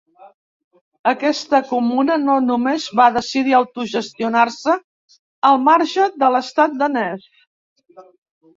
Aquesta comuna no només va decidir autogestionar-se al marge de l’estat danès.